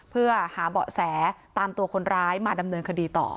เพื่อหาเบาะแสตามตัวคนร้ายมาดำเนินคดีต่อ